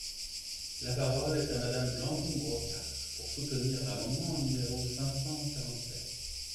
La parole est à Madame Blandine Brocard, pour soutenir l’amendement numéro cinq cent quarante-sept.